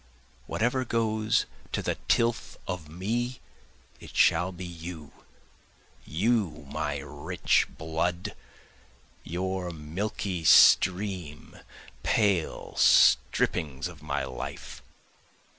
Whatever goes to the tilth of me it shall be you! You my rich blood! your milky stream pale strippings of my life!